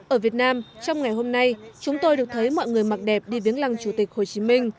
ở việt nam trong ngày hôm nay chúng tôi được thấy mọi người mặc đẹp đi viếng lăng chủ tịch hồ chí minh